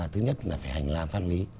thứ nhất là phải hành làm văn lý